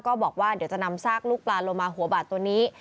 ก็บอกว่าเดี๋ยวจะนำซากลูกปลาโลมาหัวบาดตัวนี้